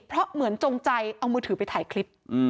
เพราะเหมือนจงใจเอามือถือไปถ่ายคลิป